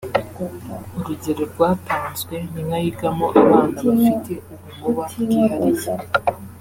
urugero rwatanzwe ni nk’ayigamo abana bafite ubumuba bwihariye